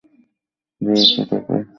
ধরেছি তোকে, লেটুস।